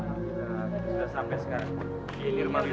sudah sampai sekarang